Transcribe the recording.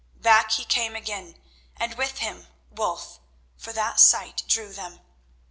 Back he came again, and with him Wulf, for that sight drew them.